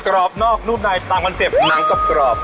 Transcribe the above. รอบนอกนุ่มในตามคอนเซ็ปต์หนังกรอบ